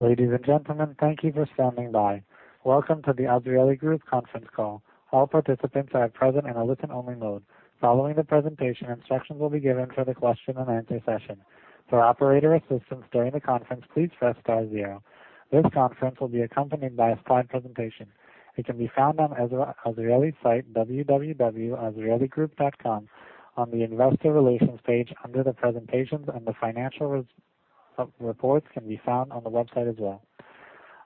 Ladies and gentlemen, thank you for standing by. Welcome to the Azrieli Group Conference Call. All participants are present in a listen only mode. Following the presentation, instructions will be given for the question and answer session. For operator assistance during the conference, please press star zero. This conference will be accompanied by a slide presentation. It can be found on Azrieli site, www.azrieligroup.com on the investor relations page under the presentations, and the financial results reports can be found on the website as well.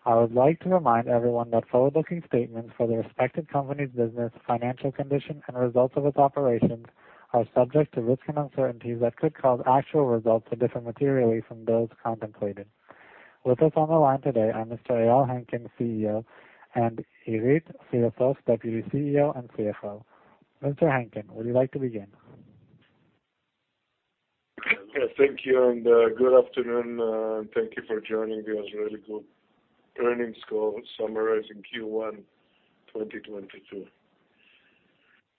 I would like to remind everyone that forward-looking statements for the respective company's business, financial condition and results of its operations are subject to risks and uncertainties that could cause actual results to differ materially from those contemplated. With us on the line today are Mr. Eyal Henkin, CEO, and Irit, Deputy CEO and CFO. Mr. Henkin, would you like to begin? Yeah, thank you, and good afternoon, and thank you for joining the Azrieli Group earnings call summarizing Q1 2022.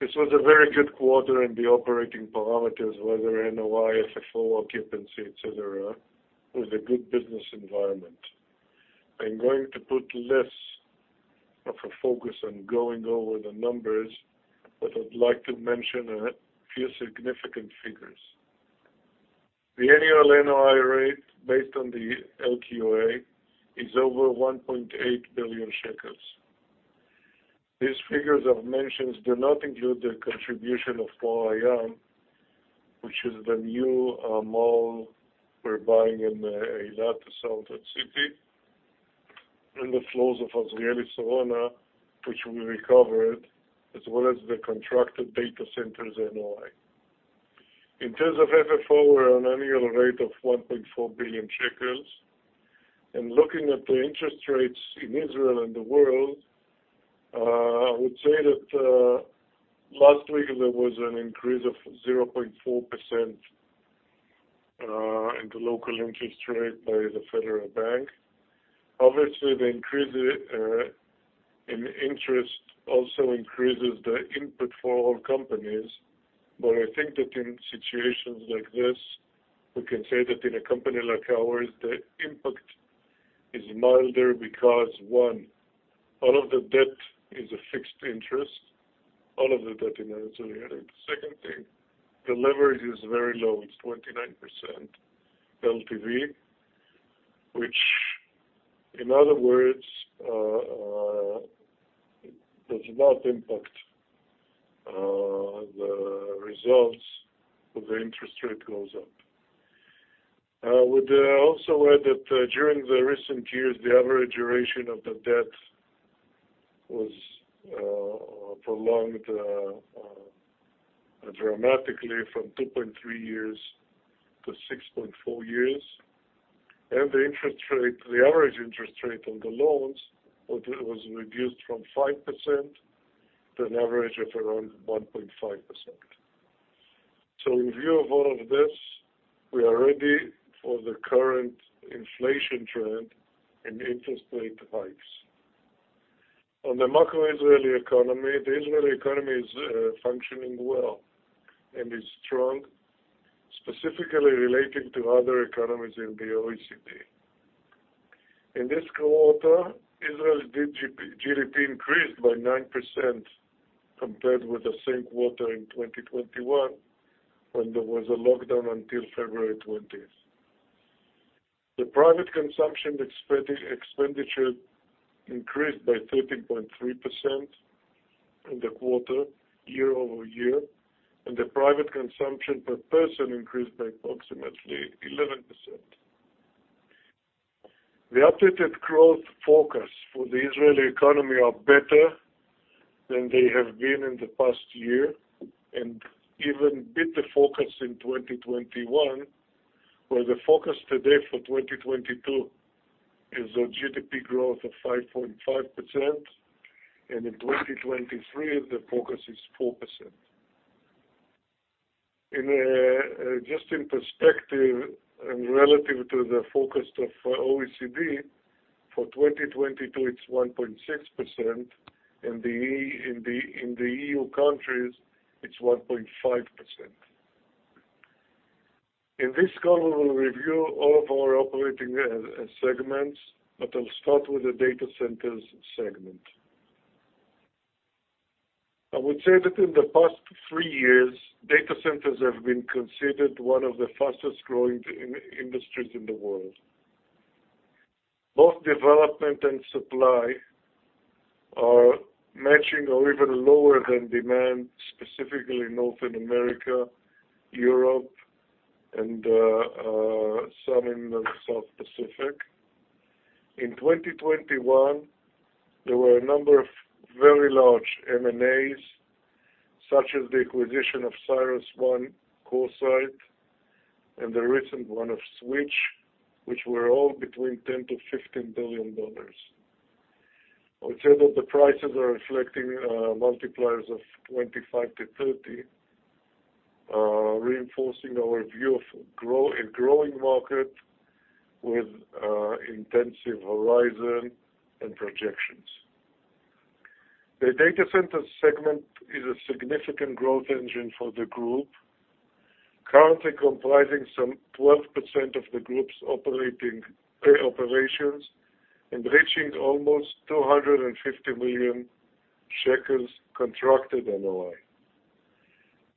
This was a very good quarter, and the operating parameters, whether NOI, FFO, occupancy, et cetera, it was a good business environment. I'm going to put less of a focus on going over the numbers, but I'd like to mention a few significant figures. The annual NOI rate based on the LTM is over 1.8 billion shekels. These figures I've mentioned do not include the contribution of Mall HaYam, which is the new mall we're buying in Eilat, the southern city, and the floors of Azrieli Sarona, which we recovered, as well as the contracted data centers NOI. In terms of FFO, we're on annual rate of 1.4 billion shekels. Looking at the interest rates in Israel and the world, I would say that last week there was an increase of 0.4% in the local interest rate by the Bank of Israel. Obviously, the increase in interest also increases the input for all companies. I think that in situations like this, we can say that in a company like ours, the impact is milder because, one, all of the debt is a fixed interest, all of the debt in Azrieli Group. The second thing, the leverage is very low, it's 29% LTV, which in other words does not impact the results if the interest rate goes up. I would also add that during the recent years, the average duration of the debt was prolonged dramatically from 2.3 years-6.4 years. The interest rate, the average interest rate on the loans was reduced from 5% to an average of around 1.5%. In view of all of this, we are ready for the current inflation trend and interest rate hikes. On the macro Israeli economy, the Israeli economy is functioning well and is strong, specifically relating to other economies in the OECD. In this quarter, Israel's GDP increased by 9% compared with the same quarter in 2021, when there was a lockdown until February 20th. The private consumption expenditure increased by 13.3% in the quarter year-over-year, and the private consumption per person increased by approximately 11%. The updated growth focus for the Israeli economy are better than they have been in the past year, and even beat the focus in 2021, where the focus today for 2022 is a GDP growth of 5.5%, and in 2023, the focus is 4%. Just in perspective and relative to the focus of OECD, for 2022, it's 1.6%, and in the EU countries, it's 1.5%. In this call, we will review all of our operating segments, but I'll start with the data centers segment. I would say that in the past three years, data centers have been considered one of the fastest-growing industries in the world. Both development and supply are matching or even lower than demand, specifically in North America, Europe and some in the Asia Pacific. In 2021, there were a number of very large M&A, such as the acquisition of CyrusOne, CoreSite, and the recent one of Switch, which were all between $10 billion and $15 billion. I would say that the prices are reflecting multipliers of 25-30, reinforcing our view of a growing market with investment horizon and projections. The data center segment is a significant growth engine for the group, currently comprising some 12% of the group's operating operations and reaching almost 250 million shekels contracted NOI.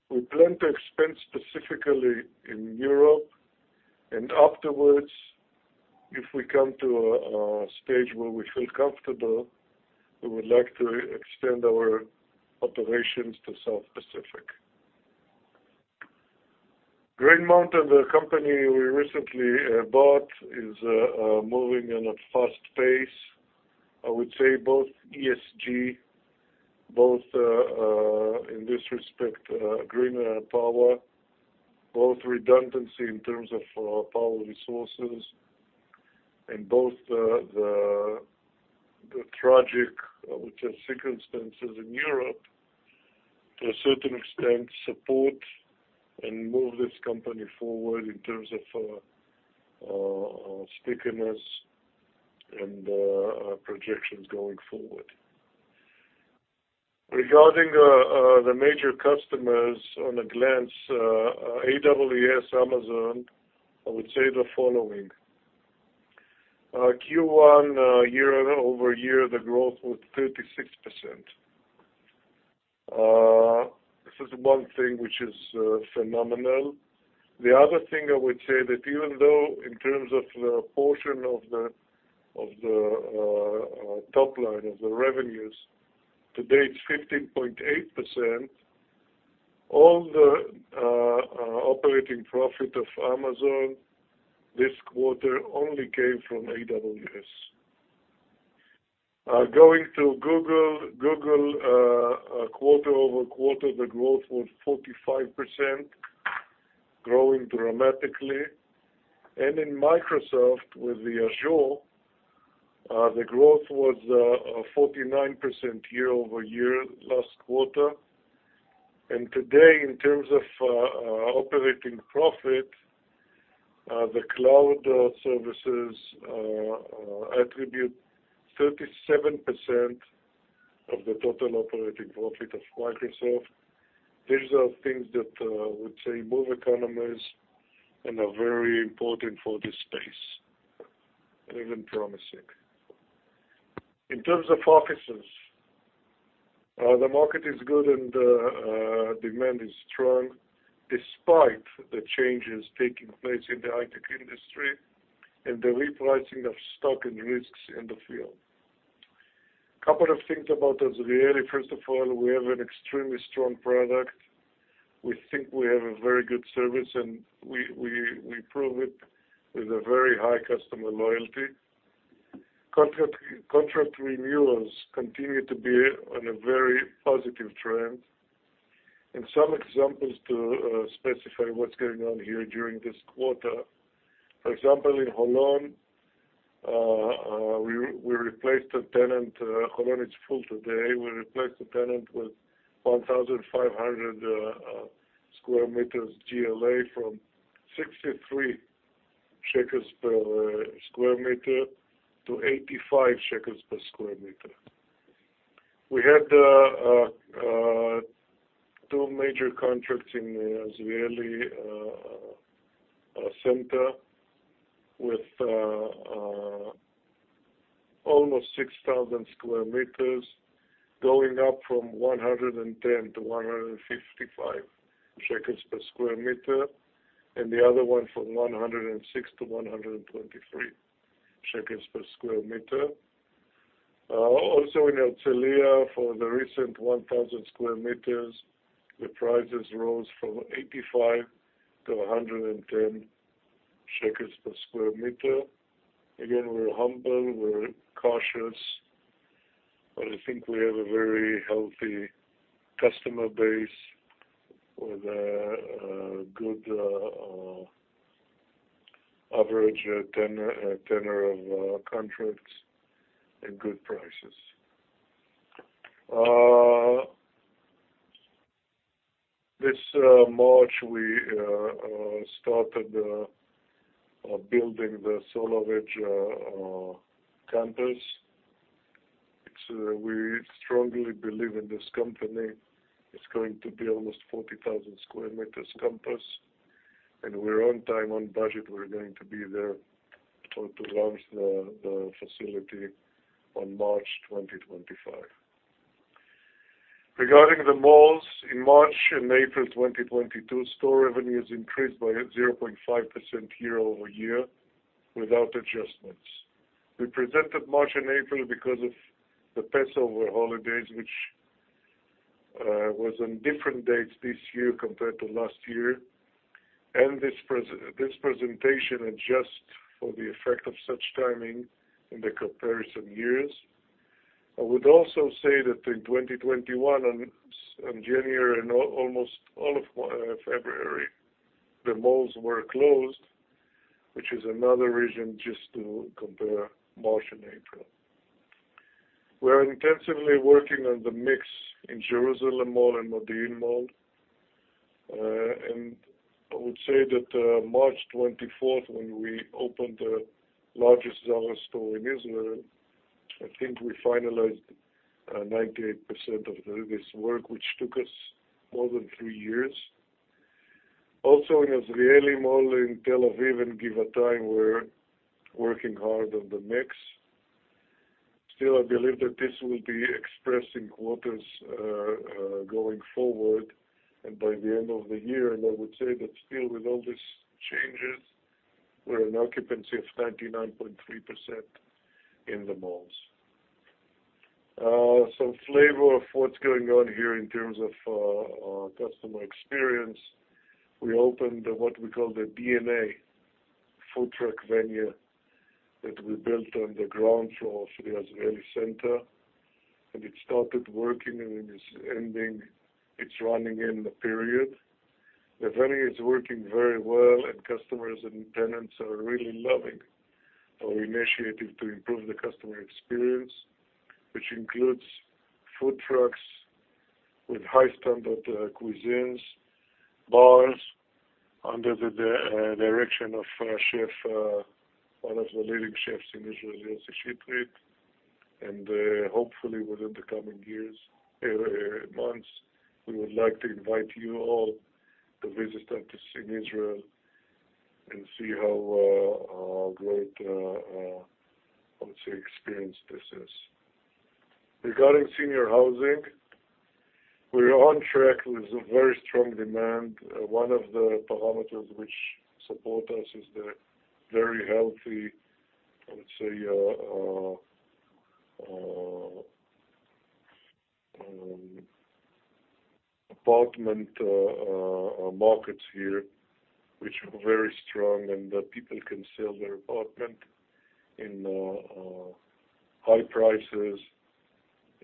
We plan to expand specifically in Europe, and afterwards, if we come to a stage where we feel comfortable, we would like to extend our operations to Asia Pacific. Green Mountain, the company we recently bought, is moving at a fast pace. I would say both ESG in this respect greener power, both redundancy in terms of power resources, and both the tragic which are circumstances in Europe to a certain extent, support and move this company forward in terms of stickiness and projections going forward. Regarding the major customers, at a glance, AWS, Amazon, I would say the following. Q1 year-over-year, the growth was 36%. This is one thing which is phenomenal. The other thing I would say that even though in terms of the portion of the top line, of the revenues, today it's 15.8%, all the operating profit of Amazon this quarter only came from AWS. Going to Google. Google, quarter-over-quarter, the growth was 45%, growing dramatically. In Microsoft with the Azure, the growth was 49% year-over-year last quarter. Today, in terms of operating profit, the cloud services attribute 37% of the total operating profit of Microsoft. These are things that I would say move economies and are very important for this space, and even promising. In terms of offices, the market is good and demand is strong despite the changes taking place in the high-tech industry and the repricing of stock and risks in the field. Couple of things about Azrieli. First of all, we have an extremely strong product. We think we have a very good service, and we prove it with a very high customer loyalty. Contract renewals continue to be on a very positive trend. Some examples to specify what's going on here during this quarter. For example, in Holon, we replaced a tenant. Holon is full today. We replaced a tenant with 1,500 square meters GLA from 63 shekels per square meter to 85 shekels per square meter. We had two major contracts in the Azrieli Center with almost 6,000 square meters going up from 110-155 shekels per square meter, and the other one from 106-123 shekels per square meter. Also in Herzliya for the recent 1,000 square meters, the prices rose from 85-110 shekels per square meter. Again, we're humble, we're cautious, but I think we have a very healthy customer base with a good average tenor of contracts and good prices. This March, we started building the SolarEdge campus. We strongly believe in this company. It's going to be almost 40,000 square meters campus, and we're on time, on budget. We're going to be there to launch the facility on March 2025. Regarding the malls, in March and April 2022, store revenues increased by 0.5% year-over-year without adjustments. We presented March and April because of the Passover holidays, which was on different dates this year compared to last year. This presentation adjust for the effect of such timing in the comparison years. I would also say that in 2021, on January and almost all of February, the malls were closed, which is another reason just to compare March and April. We are intensively working on the mix in Jerusalem Mall and Modi’in Mall. I would say that March 24th, when we opened the largest Zara store in Israel, I think we finalized 98% of this work, which took us more than three years. Also, in Azrieli Mall in Tel Aviv and Givatayim, we're working hard on the mix. Still, I believe that this will be expressed in quarters going forward and by the end of the year. I would say that still with all these changes, we're in occupancy of 99.3% in the malls. Some flavor of what's going on here in terms of our customer experience, we opened what we call the DNA Food Truck Venue that we built on the ground floor of the Azrieli Center, and it started working, and it's running in the period. The venue is working very well, and customers and tenants are really loving our initiative to improve the customer experience, which includes food trucks with high-standard cuisines, bars under the direction of our chef, one of the leading chefs in Israel, Yossi Shitrit. Hopefully within the coming months, we would like to invite you all to visit us in Israel and see how our great, I would say, experience this is. Regarding senior housing, we are on track with a very strong demand. One of the parameters which support us is the very healthy, I would say, apartment markets here, which are very strong. The people can sell their apartment in high prices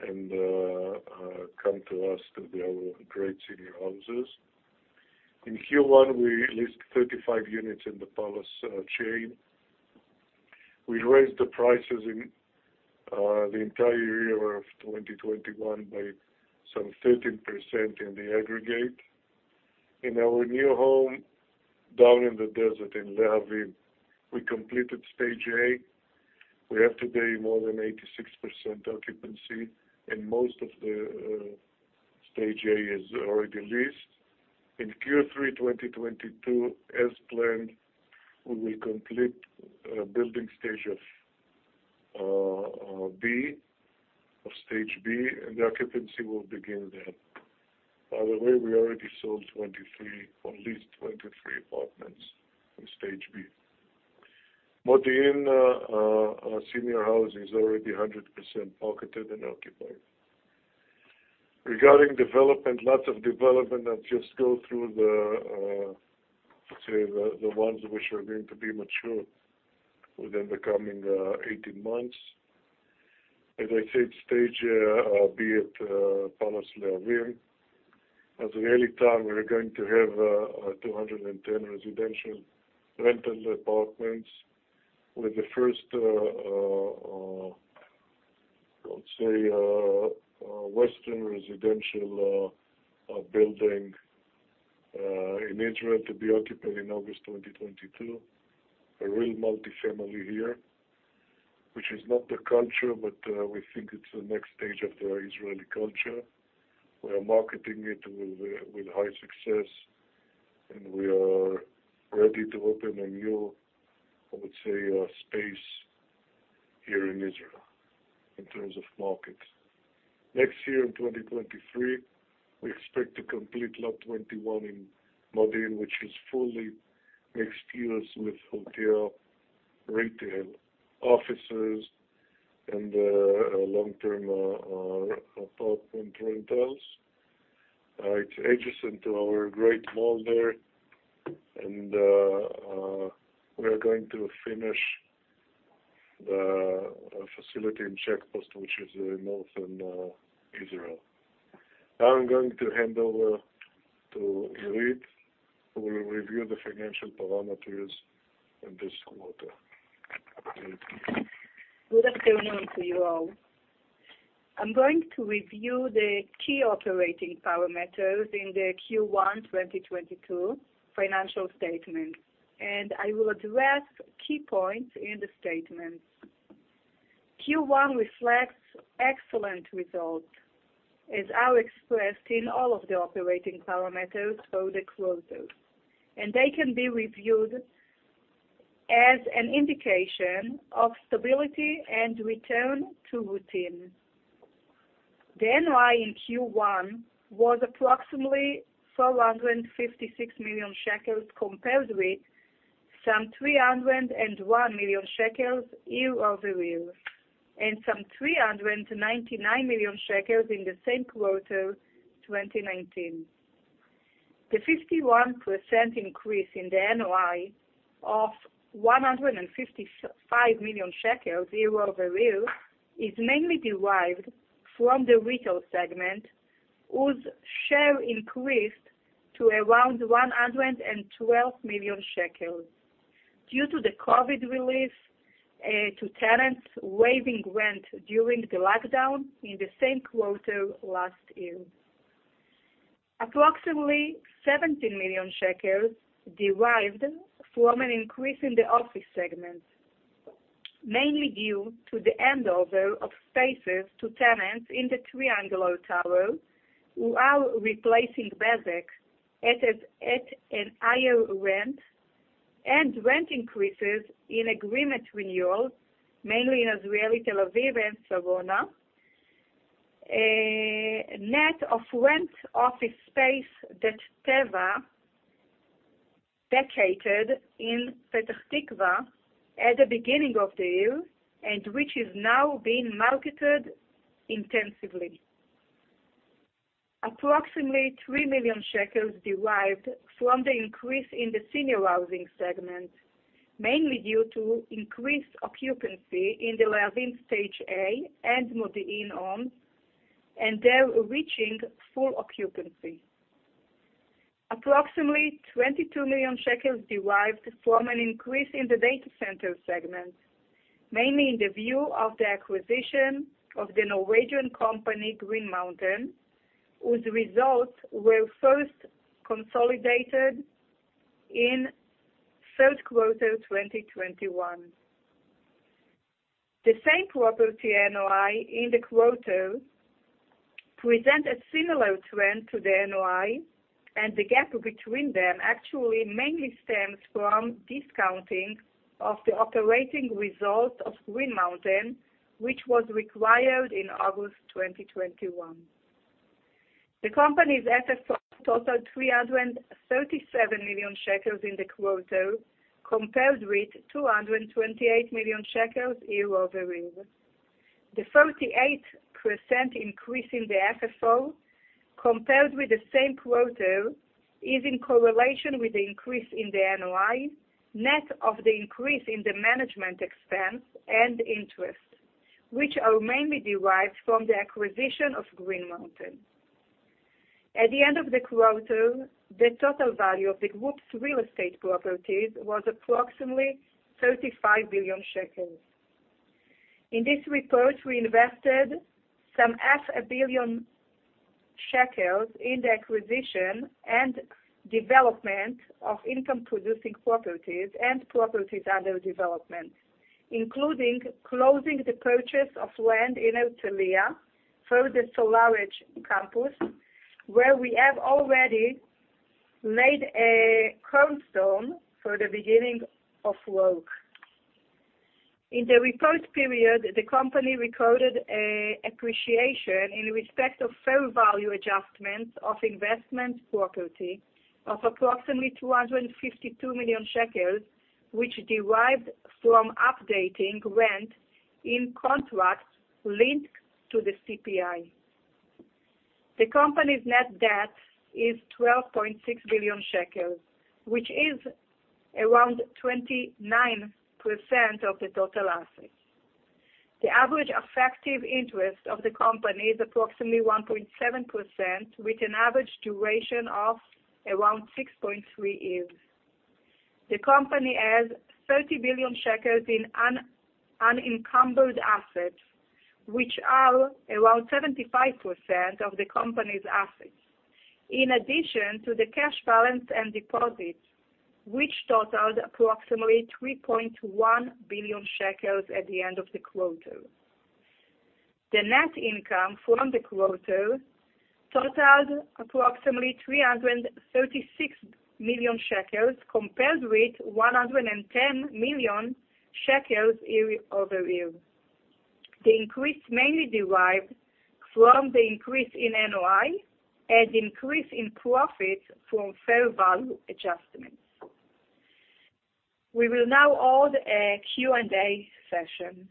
and come to us to build great senior houses. In Q1, we leased 35 units in the Palace chain. We raised the prices in the entire year of 2021 by some 13% in the aggregate. In our new home, down in the desert in Lehavim, we completed Stage A. We have today more than 86% occupancy, and most of the Stage A is already leased. In Q3 2022, as planned, we will complete building stage of Stage B, and the occupancy will begin then. By the way, we already sold 23 or leased 23 apartments in Stage B. Modi'in senior housing is already 100% marketed and occupied. Regarding development, lots of development. I'll just go through the, let's say, ones which are going to be mature within the coming 18 months. As I said, Stage A, B at Palace Lehavim. Azrieli Tower, we're going to have 210 residential rental apartments with the first, let's say, Western residential building in Israel to be occupied in August 2022. A real multifamily here, which is not the culture, but we think it's the next stage of the Israeli culture. We are marketing it with high success, and we are ready to open a new, I would say, space here in Israel in terms of market. Next year, in 2023, we expect to complete Lot 21 in Modi'in, which is fully mixed use with hotel, retail, offices, and long-term apartment rentals. It adjoins into our great mall there. We are going to finish the facility in Checkpost, which is in northern Israel. Now I'm going to hand over to Irit, who will review the financial parameters in this quarter. Irit. Good afternoon to you all. I'm going to review the key operating parameters in the Q1 2022 financial statement, and I will address key points in the statement. Q1 reflects excellent results, as are expressed in all of the operating parameters for the quarter, and they can be reviewed as an indication of stability and return to routine. The NOI in Q1 was approximately 456 million shekels, compared with some 301 million shekels year-over-year, and some 399 million shekels in the same quarter 2019. The 51% increase in the NOI of 155 million shekels year-over-year is mainly derived from the retail segment, whose share increased to around 112 million shekels. Due to the COVID relief to tenants waiving rent during the lockdown in the same quarter last year. Approximately 17 million shekels derived from an increase in the office segment, mainly due to the handover of spaces to tenants in the Triangular Tower, while replacing Bezeq at a higher rent and rent increases in agreement renewals, mainly in Azrieli, Tel Aviv, and Sarona, net of rent office space that Teva vacated in Petah Tikva at the beginning of the year, and which is now being marketed intensively. Approximately 3 million shekels derived from the increase in the senior housing segment, mainly due to increased occupancy in the Lehavim Stage A and Modi'in, and they're reaching full occupancy. Approximately 22 million shekels derived from an increase in the data center segment, mainly in view of the acquisition of the Norwegian company, Green Mountain, whose results were first consolidated in third quarter 2021. The same property NOI in the quarter presents a similar trend to the NOI, and the gap between them actually mainly stems from discounting of the operating result of Green Mountain, which was required in August 2021. The company's FFO totaled 337 million shekels in the quarter, compared with 228 million shekels year-over-year. The 38% increase in the FFO compared with the same quarter is in correlation with the increase in the NOI, net of the increase in the management expense and interest, which are mainly derived from the acquisition of Green Mountain. At the end of the quarter, the total value of the group's real estate properties was approximately 35 billion shekels. In this report, we invested some half a billion ILS in the acquisition and development of income-producing properties and properties under development, including closing the purchase of land in Herzliya for the SolarEdge campus, where we have already laid a cornerstone for the beginning of work. In the report period, the company recorded an appreciation in respect of fair value adjustments of investment property of approximately 252 million shekels, which derived from updating rent in contracts linked to the CPI. The company's net debt is 12.6 billion shekels, which is around 29% of the total assets. The average effective interest of the company is approximately 1.7%, with an average duration of around 6.3 years. The company has 30 billion shekels in unencumbered assets, which are around 75% of the company's assets. In addition to the cash balance and deposits, which totaled approximately 3.1 billion shekels at the end of the quarter. The net income from the quarter totaled approximately 336 million shekels, compared with 110 million shekels year-over-year. The increase mainly derived from the increase in NOI and increase in profit from fair value adjustments. We will now hold a Q&A session.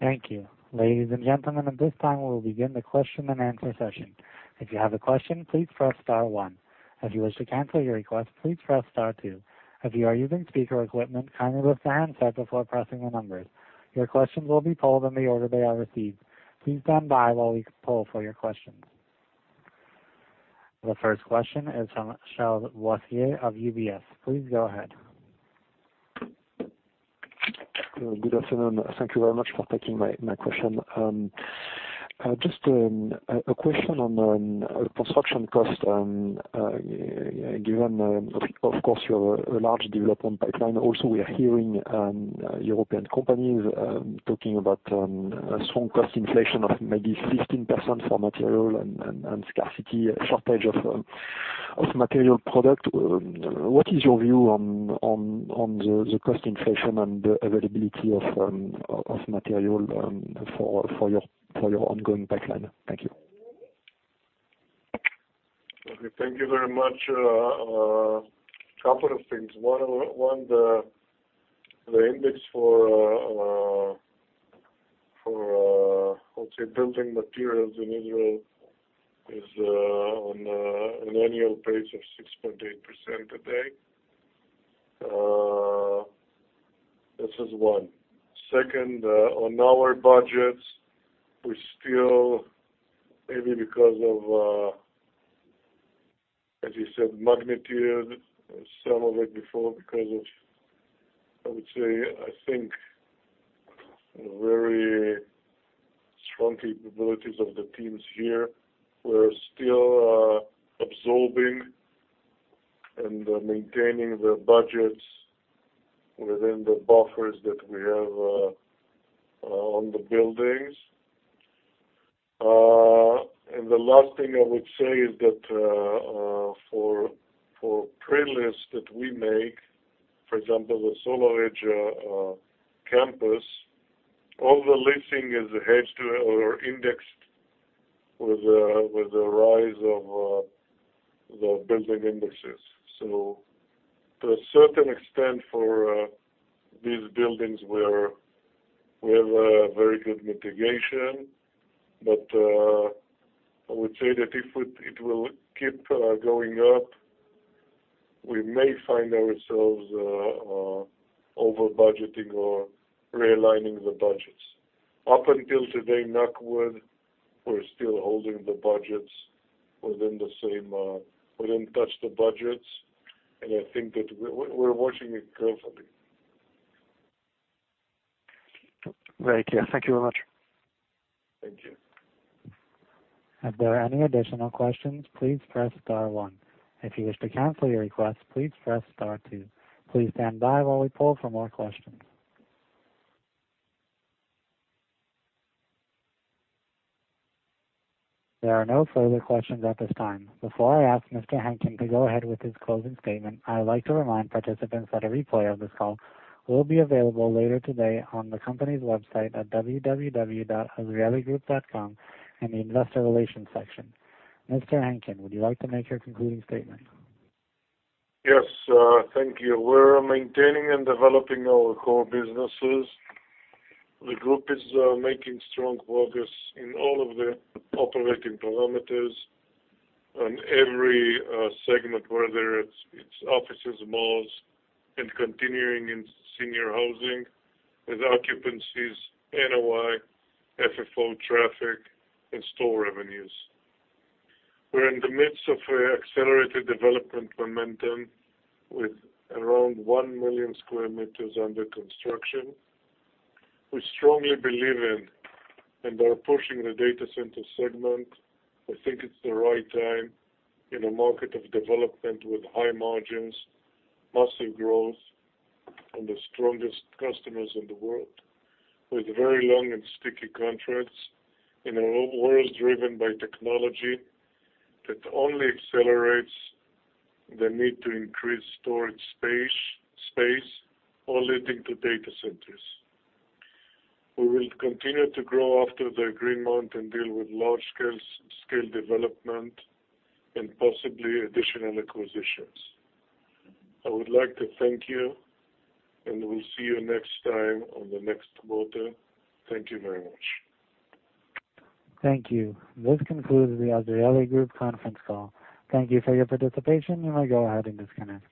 Thank you. Ladies and gentlemen, at this time, we will begin the question-and-answer session. If you have a question, please press star one. If you wish to cancel your request, please press star two. If you are using speaker equipment, kindly lift the handset before pressing the numbers. Your questions will be pulled in the order they are received. Please stand by while we pull for your questions. The first question is from Charles Boissier of UBS. Please go ahead. Good afternoon. Thank you very much for taking my question. Just a question on construction cost. Given, of course, you have a large development pipeline. We are hearing European companies talking about strong cost inflation of maybe 16% for material and scarcity, shortage of material product. What is your view on the cost inflation and the availability of material for your ongoing pipeline? Thank you. Okay, thank you very much. A couple of things. One, the index for, let's say, building materials in Israel is on an annual pace of 6.8% today. This is one. Second, on our budgets, we still, maybe because of, as you said, magnitude, some of it before, because of, I would say, I think very strong capabilities of the teams here. We're still absorbing and maintaining the budgets within the buffers that we have on the buildings. The last thing I would say is that, for pre-lease that we make, for example, the SolarEdge campus, all the leasing is hedged or indexed with the rise of the building indexes. To a certain extent for these buildings, we have a very good mitigation. I would say that if it will keep going up, we may find ourselves over-budgeting or realigning the budgets. Up until today, knock on wood, we're still holding the budgets within the same. We didn't touch the budgets, and I think that we're watching it carefully. Right. Yeah. Thank you very much. Thank you. If there are any additional questions, please press star one. If you wish to cancel your request, please press star two. Please stand by while we poll for more questions. There are no further questions at this time. Before I ask Mr. Henkin to go ahead with his closing statement, I would like to remind participants that a replay of this call will be available later today on the company's website at www.azrieligroup.com in the investor relations section. Mr. Henkin, would you like to make your concluding statement? Yes. Thank you. We're maintaining and developing our core businesses. The group is making strong progress in all of the operating parameters on every segment, whether it's offices, malls, and continuing in senior housing with occupancies, NOI, FFO, traffic, and store revenues. We're in the midst of accelerated development momentum with around 1 million square meters under construction. We strongly believe in and are pushing the data center segment. I think it's the right time in a market of development with high margins, massive growth, and the strongest customers in the world, with very long and sticky contracts in a world driven by technology that only accelerates the need to increase storage space, all leading to data centers. We will continue to grow after the Green Mountain deal with large scale development and possibly additional acquisitions. I would like to thank you, and we'll see you next time on the next quarter. Thank you very much. Thank you. This concludes the Azrieli Group conference call. Thank you for your participation. You may go ahead and disconnect.